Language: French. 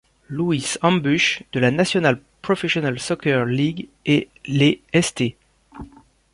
Louis Ambush de la National Professional Soccer League et les St.